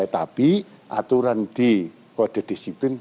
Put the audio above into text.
tapi aturan di kode disiplin